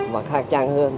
và khang trang hơn